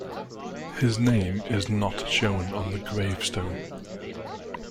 His name is not shown on the gravestone.